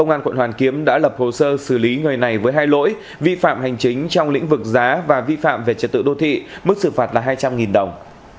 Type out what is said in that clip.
người đã lập hồ sơ xử lý người này với hai lỗi vi phạm hành chính trong lĩnh vực giá và vi phạm về trật tự đô thị mức xử phạt là hai trăm linh đồng